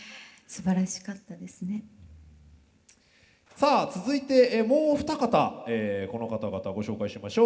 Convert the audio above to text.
さあ続いてもう二方この方々ご紹介しましょう。